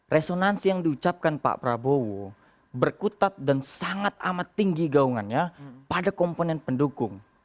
resonansi yang diucapkan pak prabowo berkutat dan sangat amat tinggi gaungannya pada komponen pendukung